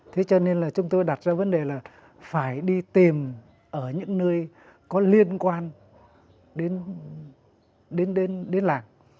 thế cho nên là chúng tôi đặt ra vấn đề là phải đi tìm ở những nơi có liên quan đến làng